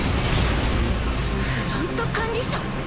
フロント管理者？